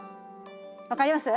分かります？